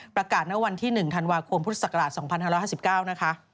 ณวันที่๑ธันวาคมพุทธศักราช๒๕๕๙นะคะ